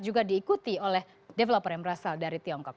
juga diikuti oleh developer yang berasal dari tiongkok